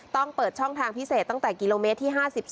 เปิดช่องทางพิเศษตั้งแต่กิโลเมตรที่๕๒